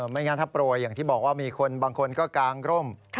ไม่งั้นถ้าโปรยอย่างที่บอกว่ามีคนบางคนก็กางร่ม